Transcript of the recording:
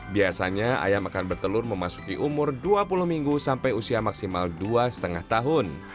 biasanya ayam akan bertelur memasuki umur dua puluh minggu sampai usia maksimal dua lima tahun